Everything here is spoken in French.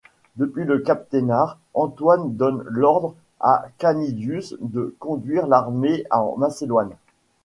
Depuis le cap Ténare, Antoine donne l'ordre à Canidius de conduire l'armée en Macédoine.